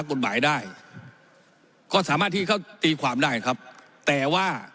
กฎหมายได้ก็สามารถที่เขาตีความได้ครับแต่ว่า